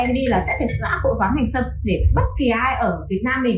đồn viên phòng bắc sơn